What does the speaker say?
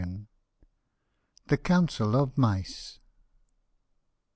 THE COUNCIL, OF MICE.